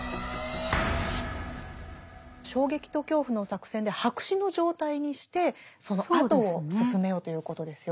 「衝撃と恐怖」の作戦で白紙の状態にしてそのあとを進めようということですよね。